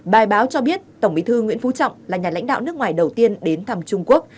bài báo cho biết tổng bí thư nguyễn phú trọng là nhà lãnh đạo nước ngoài đầu tiên đến thăm trung quốc